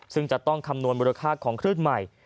ซึ่งจะต้องคำนวณมูลค่าของคลื่นใหม่